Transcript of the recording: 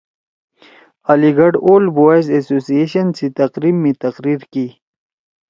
علی گڑھ اولڈ بوائز ایسوسی ایشن سی تقریب می تقریر کی